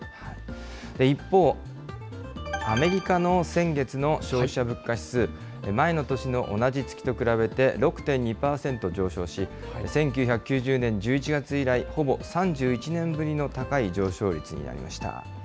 一方、アメリカの先月の消費者物価指数、前の年の同じ月と比べて、６．２％上昇し、１９９０年１１月以来、ほぼ３１年ぶりの高い上昇率になりました。